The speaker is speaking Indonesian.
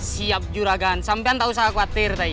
siap juragan sampean tak usah khawatir